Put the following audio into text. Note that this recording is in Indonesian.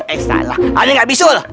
eh salah aneh gak bisul